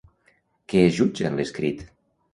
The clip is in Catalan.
Què es jutja en l'escrit?